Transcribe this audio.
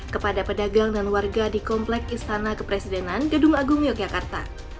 kepada pedagang dan warga di komplek istana kepresidenan gedung agung yogyakarta